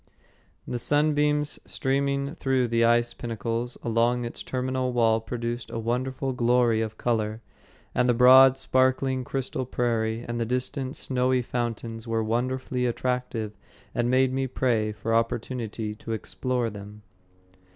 The sunbeams streaming through the ice pinnacles along its terminal wall produced a wonderful glory of color, and the broad, sparkling crystal prairie and the distant snowy fountains were wonderfully attractive and made me pray for opportunity to explore them.